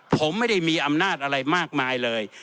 ผมไม่ได้มีอำนาจอะไรมากมายเลย